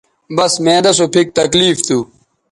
بس معدہ سو پھک تکلیف تھو